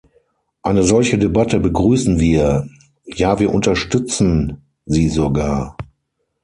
Eine solche Debatte begrüßen wir, ja wir unterstützen sie sogar.